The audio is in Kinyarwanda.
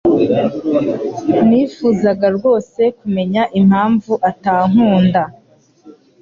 Nifuzaga rwose kumenya impamvu atankunda.